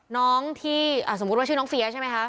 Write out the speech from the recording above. น้องที่สมมุติว่าชื่อน้องเฟียใช่ไหมคะ